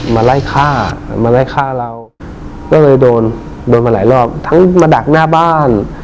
มาไล่ฆ่ามาไล่ฆ่าเราก็เลยโดนโดนมาหลายรอบทั้งมาดักหน้าบ้าน